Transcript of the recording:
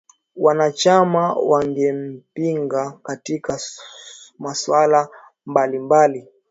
Wanachama wangempinga katika masuala mbali mbali